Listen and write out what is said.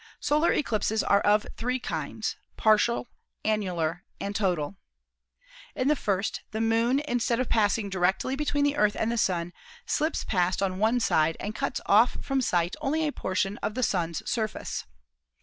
Solar eclipses are of three kinds, partial, annular and total. In the first the Moon, instead of passing directly between the Earth and the Sun, slips past on one side and cuts off from sight only a portion of the Sun's surface.